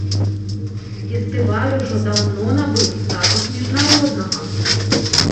Фестываль ужо даўно набыў статус міжнароднага.